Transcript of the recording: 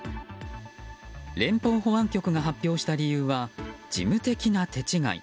連邦保安局が発表した理由は事務的な手違い。